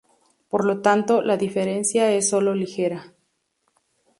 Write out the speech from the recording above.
Por lo tanto, la diferencia es solo ligera.